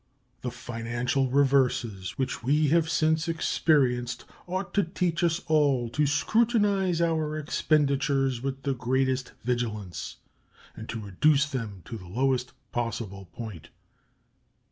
The financial reverses which we have since experienced ought to teach us all to scrutinize our expenditures with the greatest vigilance and to reduce them to the lowest possible point.